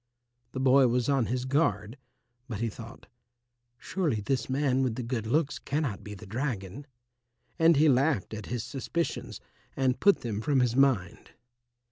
The boy was on his guard, but he thought, "Surely this man with the good looks cannot be the dragon," and he laughed at his suspicions and put them from his mind.